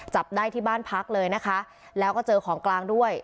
จับได้ที่บ้านพักเลยนะคะแล้วก็เจอของกลางด้วย